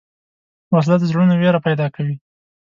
وسله د زړونو وېره پیدا کوي